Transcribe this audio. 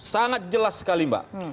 sangat jelas sekali mbak